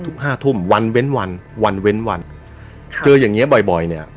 ห้าทุ่มวันเว้นวันวันเว้นวันเจออย่างเงี้บ่อยบ่อยเนี้ย